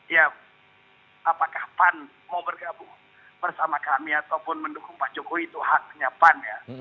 ya apakah pan mau bergabung bersama kami ataupun mendukung pak jokowi itu haknya pan ya